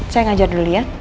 saya ngajar dulu ya